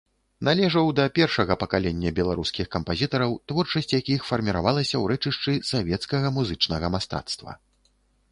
Належаў да першага пакалення беларускіх кампазітараў, творчасць якіх фарміравалася ў рэчышчы савецкага музычнага мастацтва.